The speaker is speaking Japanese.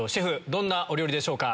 どんなお料理でしょうか。